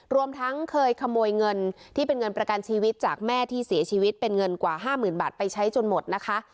รวมทั้งเคยขโมยเงินที่เป็นเงินประกันชีวิตจากแม่ที่เสียชีวิตเป็นเงินกว่า๕๐๐๐บาทไปใช้จนหมดนะคะ